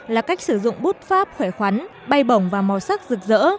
là cách sử dụng bút pháp khỏe khoắn bay bổng và màu sắc rực rỡ